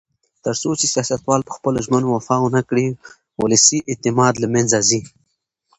تر څو چې سیاستوال په خپلو ژمنو وفا ونکړي، ولسي اعتماد له منځه ځي.